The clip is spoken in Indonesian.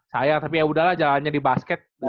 sayang tapi ya udahlah jalannya di basket